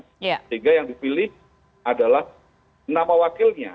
sehingga yang dipilih adalah nama wakilnya